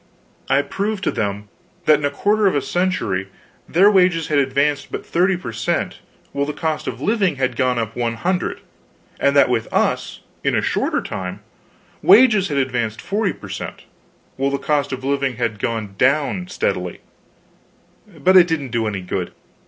I proved to them that in a quarter of a century their wages had advanced but 30 per cent., while the cost of living had gone up 100; and that with us, in a shorter time, wages had advanced 40 per cent. while the cost of living had gone steadily down. But it didn't do any good.